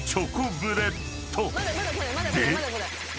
［で］